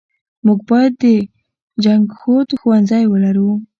موږ بايد د جنګښود ښوونځی ولرو .